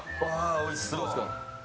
おいしそう。